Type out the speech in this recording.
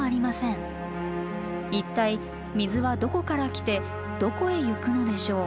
一体水はどこから来てどこへゆくのでしょう？